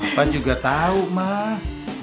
mpam juga tau mah